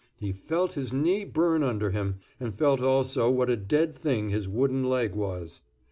He felt his knee burn under him, and felt also what a dead thing his wooden leg was.